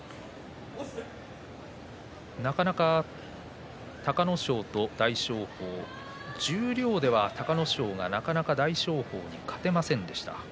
なかなか隆の勝と大翔鵬十両では隆の勝が大翔鵬に勝てませんでした。